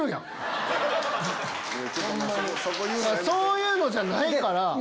そういうのじゃないから！